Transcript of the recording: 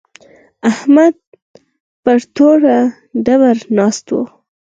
احمد پر توره ډبره ناست و.